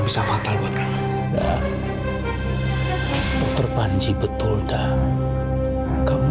ibu mana yang mau